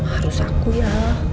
harus aku ya